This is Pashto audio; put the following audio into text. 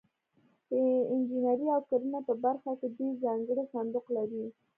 د انجنیري او کرنې په برخه کې دوی ځانګړی صندوق لري.